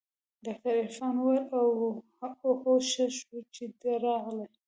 ډاکتر عرفان وويل اوهو ښه شو چې ته راغلې.